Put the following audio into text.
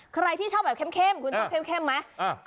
ใครที่ชอบแบบเข้มคุณชอบเข้มไหม